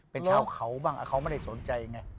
เป็นชาวเขาบ้างเขาไม่ได้สนใจไง